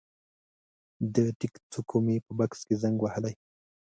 د ټیک څوکو مې په بکس کې زنګ وهلی